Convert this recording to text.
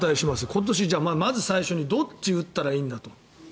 今年、まず最初にどっち打ったらいいんだと。